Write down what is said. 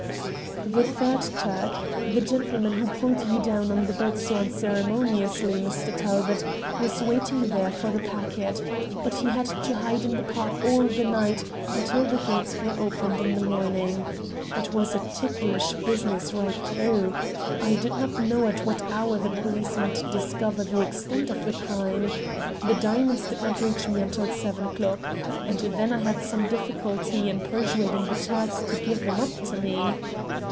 "The third Turk the gentleman who pulled you down on to the bed so unceremoniously, Mr. Talbot was waiting there for the packet. But he had to hide in the Park all the night, until the gates were opened in the morning. It was a ticklish business right through. I did not know at what hour the police might discover the extent of the crime. The diamonds did not reach me until seven o'clock. And then I had some difficulty in persuading the Turks to give them up to me.